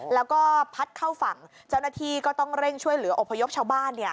แล้วก็พัดเข้าฝั่งเจ้าหน้าที่ก็ต้องเร่งช่วยเหลืออพยพชาวบ้าน